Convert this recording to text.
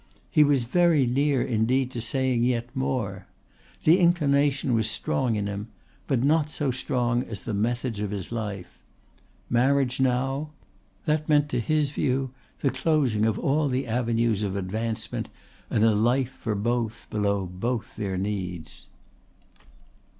He was very near indeed to saying yet more. The inclination was strong in him, but not so strong as the methods of his life. Marriage now that meant to his view the closing of all the avenues of advancement, and a life for both below both their needs.